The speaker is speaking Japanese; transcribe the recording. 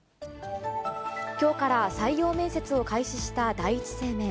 きょうから採用面接を開始した第一生命。